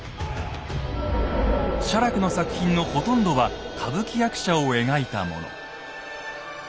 写楽の作品のほとんどは歌舞伎役者を描いたもの。